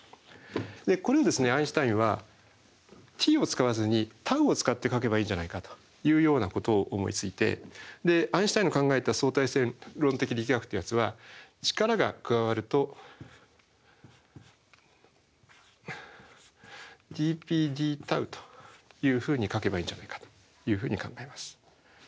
これをアインシュタインはｔを使わずにτを使って書けばいいんじゃないかというようなことを思いついてアインシュタインの考えた相対性論的力学というやつは力が加わるとｄｐｄτというふうに書けばいいんじゃないかというふうに考えます。